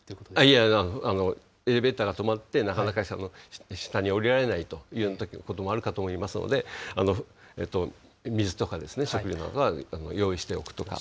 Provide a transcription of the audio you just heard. いや、エレベーターが止まってなかなか下におりられないというようなこともあると思いますので、水とか食料などは用意しておくとか。